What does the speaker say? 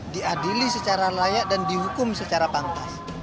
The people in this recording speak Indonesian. diadili secara layak dan dihukum secara pantas